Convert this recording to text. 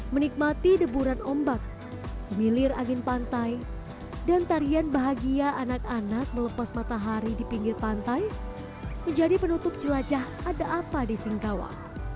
menikmati deburan ombak semilir angin pantai dan tarian bahagia anak anak melepas matahari di pinggir pantai menjadi penutup jelajah ada apa di singkawa